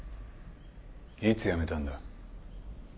いつやめたんだ？